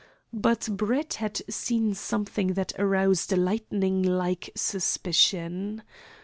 But Brett had seen something that aroused a lightning like suspicion.